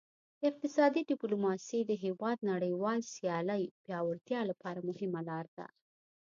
اقتصادي ډیپلوماسي د هیواد نړیوال سیالۍ پیاوړتیا لپاره مهمه لار ده